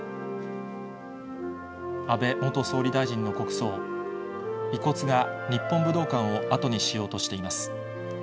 安倍元総理大臣の国葬、遺骨が日本武道館を後にしようとしています。